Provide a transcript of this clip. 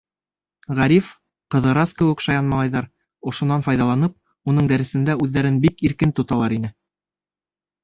Ғариф, Ҡыҙырас кеүек шаян малайҙар, ошонан файҙаланып, уның дәресендә үҙҙәрен бик иркен тоталар ине.